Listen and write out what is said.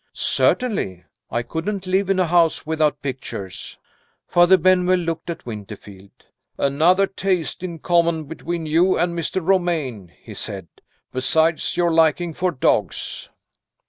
"Certainly. I couldn't live in a house without pictures." Father Benwell looked at Winterfield. "Another taste in common between you and Mr. Romayne," he said, "besides your liking for dogs."